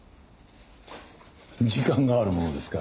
時間があるものですからね。